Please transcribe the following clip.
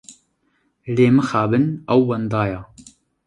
Lê mixabin ew wenda ye.